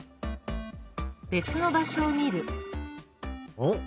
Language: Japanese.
おっ？